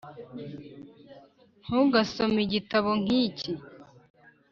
ntugasome igitabo nk'iki